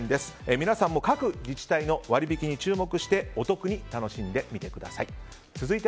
皆さんも各自治体の割引に注目してお得に楽しんでみてください。